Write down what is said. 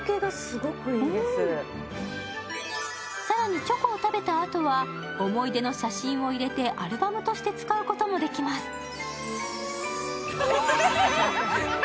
更にチョコを食べたあとは思い出の写真を入れてアルバムとして使うこともできます。